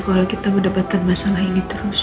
kalau kita mendapatkan masalah ini terus